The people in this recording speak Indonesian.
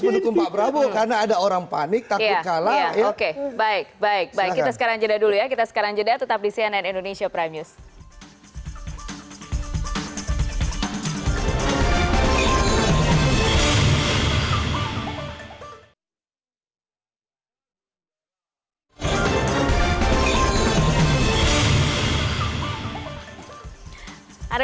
kami tidak mungkin melakukan itu